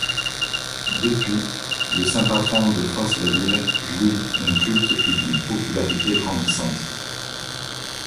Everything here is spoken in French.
Depuis, le saint patron de Fosses-la-Ville jouit d'un culte et d'une popularité grandissante.